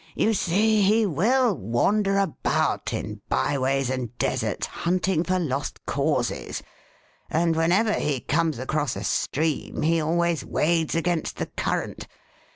You see he will wander about in byways and deserts, hunting for Lost Causes, and whenever he comes across a stream he always wades against the current.